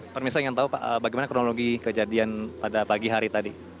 permisa ingin tahu pak bagaimana kronologi kejadian pada pagi hari tadi